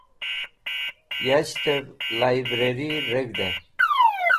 Yashtev Librari Reg̃hde